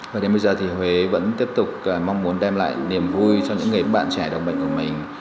và đến bây giờ thì huế vẫn tiếp tục mong muốn đem lại niềm vui cho những người bạn trẻ đồng bệnh của mình